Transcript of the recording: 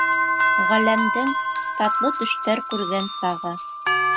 Ғаләмдең татлы төштәр күргән сағы.